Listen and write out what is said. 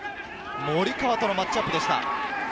森川とのマッチアップでした。